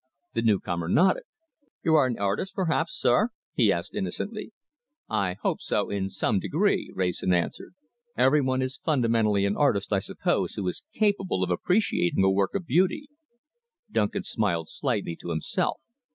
The newcomer nodded. "You are an artist perhaps, sir?" he asked innocently. "I hope so in some degree," Wrayson answered. "Every one is fundamentally an artist, I suppose, who is capable of appreciating a work of beauty." Duncan smiled slightly to himself.